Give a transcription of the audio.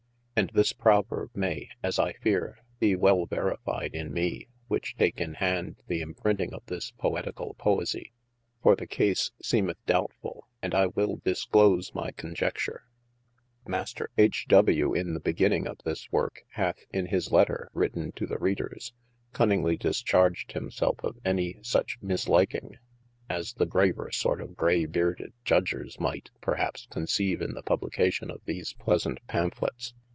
And this proverbe may (as I feare) be wel verefied.in me which take in hand the imprinting of this poeticall Poesie. For the case seemeth doubtful, and I will disclose my conjecture. Master 475 APPENDIX .H. W. in the beginning'of this worke, hath in his letter (written to the Readers) cunningly discharged himselfe of any such misliking, as the graver sort of greyheared judgers mighte (perhaps) conceive in the publicatio of these pleasant Pamphlets.